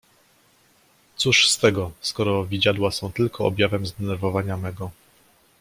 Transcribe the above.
"Cóż z tego, skoro widziadła są tylko objawem zdenerwowania mego."